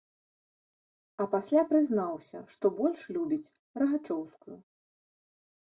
А пасля прызнаўся, што больш любіць рагачоўскую.